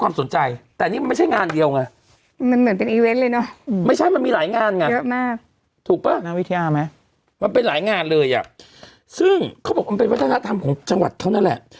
มันเป็นหลายงานเลยอ่ะซึ่งเขาบอกมันเป็นวัฒนธรรมของจังหวัดเขานั่นแหละ